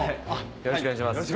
よろしくお願いします。